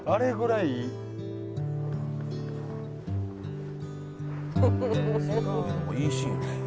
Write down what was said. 「いいシーン」